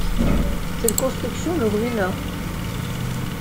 Cette construction le ruina.